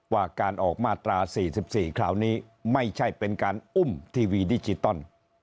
ว่าการออกมาตรา๔๔คราวนี้ไม่ใช่เป็นการอุ้มทีวีดิจิตอล